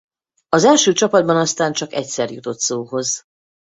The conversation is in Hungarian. Az első csapatban aztán csak egyszer jutott szóhoz.